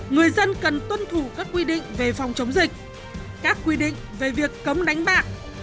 người dân cần tuân thủ các quy định về phòng chống dịch các quy định về việc cấm đánh bạc